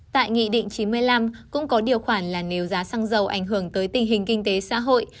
tại nghị định chín mươi năm cũng có điều khoản là nếu giá xăng dầu ảnh hưởng tới tình hình kinh tế xã hội